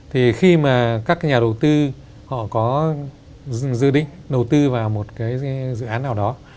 thì khi mà các cái nhà đầu tư họ có dự định đầu tư vào một cái dự án nào đó